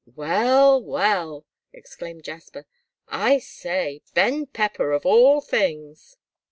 "Well, well!" exclaimed Jasper. "I say, Ben Pepper, of all things!"